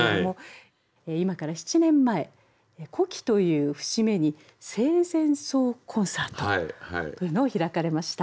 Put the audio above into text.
今から７年前古希という節目に「生前葬コンサート」というのを開かれました。